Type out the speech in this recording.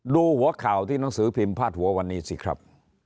ดูหัวข่าวที่หนังสือพิมพ์พาดหัววันนี้สิครับ